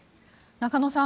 中野さん